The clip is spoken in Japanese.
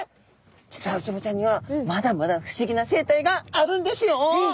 実はウツボちゃんにはまだまだ不思議な生態があるんですよ！